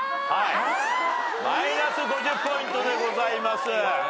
マイナス５０ポイントでございます。